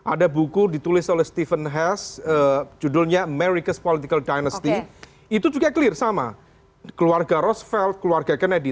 ada buku ditulis oleh stephen hess judulnya america's political dynasty itu juga clear sama keluarga roosevelt keluarga kennedy